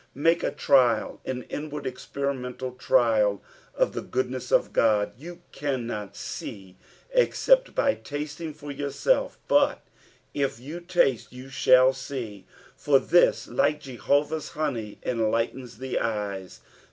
Make a trial, an inward, experimental trial of the goodness of God. You cannot see except by tasting for yourself ; but if you taste you shall see, for this, like Jonathan's honey, enlightens the eyes.